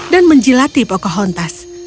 dan menjilati pocahontas